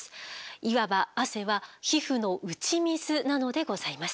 いわば汗は皮膚の打ち水なのでございます。